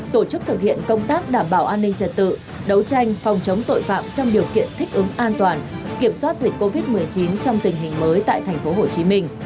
tổ chức thực hiện công tác đảm bảo an ninh trật tự đấu tranh phòng chống tội phạm trong điều kiện thích ứng an toàn kiểm soát dịch covid một mươi chín trong tình hình mới tại tp hcm